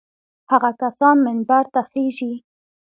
هغه کسان منبر ته خېژي.